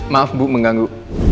maaf bu mengganggu